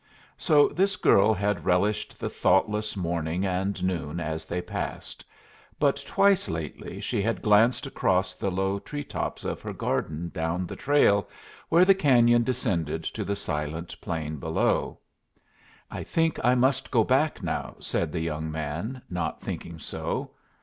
So this girl had relished the thoughtless morning and noon as they passed; but twice lately she had glanced across the low tree tops of her garden down the trail, where the cañon descended to the silent plain below. "I think I must go back now," said the young man, not thinking so.